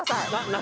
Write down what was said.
何？